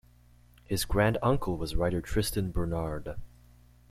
His grand-uncle was writer Tristan Bernard.